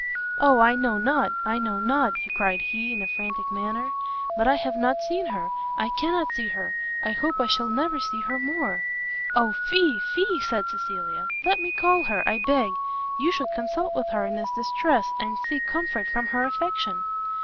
"O I know not! I know not!" cried he, in a frantic manner, "but I have not seen her, I cannot see her, I hope I shall never see her more! " "O fie! fie!" said Cecilia, "let me call her, I beg; you should consult with her in this distress, and seek comfort from her affection."